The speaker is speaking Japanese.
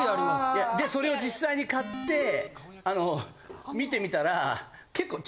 それを実際に買って見てみたら。